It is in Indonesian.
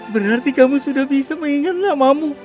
berarti kamu sudah bisa mengingat namamu